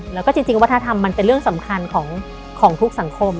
แล้วก็จริงวัฒนธรรมมันเป็นเรื่องสำคัญของทุกสังคม